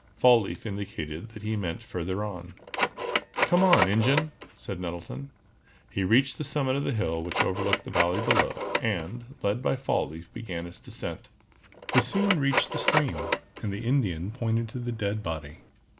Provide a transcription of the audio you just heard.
Fall leaf indicated that he meant further on. "Come on, Ingen," said Nettleton. He reached the summit of the hill which overlooked the valley below, and, led by Fall leaf, began its descent. They soon reached the stream, and the Indian pointed to the dead body.